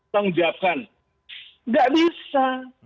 menjawabkan enggak bisa